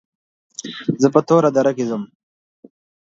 زه په توره دره کې ځم.